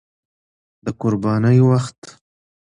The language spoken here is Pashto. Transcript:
د قربانۍ وخت